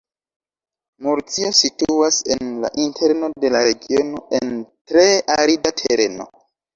Murcio situas en la interno de la regiono, en tre arida tereno.